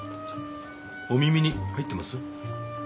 お耳に入ってます？